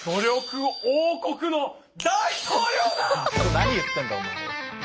何言ってんだお前は！